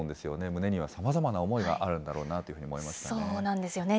胸にはさまざまな思いがあるんだそうなんですよね。